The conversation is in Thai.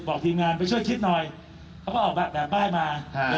ทีมงานไปช่วยคิดหน่อยเขาก็ออกแบบป้ายมา